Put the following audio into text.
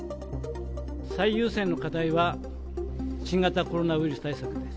最優先の課題は、新型コロナウイルス対策です。